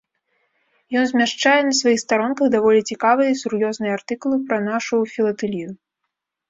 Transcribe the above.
Ён змяшчае на сваіх старонках даволі цікавыя і сур'ёзныя артыкулы пра нашу філатэлію.